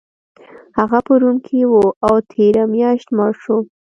هغه په روم کې و او تیره میاشت مړ شو